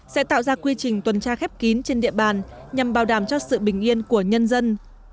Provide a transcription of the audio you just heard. sẽ tạo ra quy trình tuần tra khép kín trên địa bàn nhằm bảo đảm cho sự bình yên của nhân dân